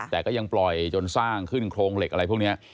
แต่ก็ยังปล่อยจนสร้างขึ้นโครงเหล็กอะไรพวกนี้